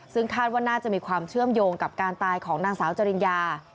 ซึ่งคาดว่าน่าจะมีความเชื่อมโยงกับการตายของนางสาวจริญญา